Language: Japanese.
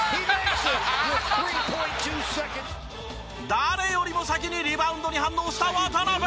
誰よりも先にリバウンドに反応した渡邊。